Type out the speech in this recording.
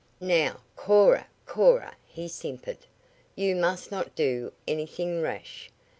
"Now, Cora, Cora," he simpered. "You must not do anything rash.